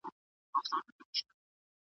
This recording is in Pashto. که طلا که شته منۍ دي ته به ځې دوی به پاتیږي